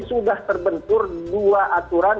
sudah terbentur dua aturan